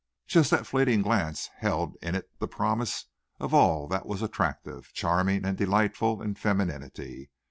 Just that fleeting glance held in it the promise of all that was attractive, charming and delightful in femininity.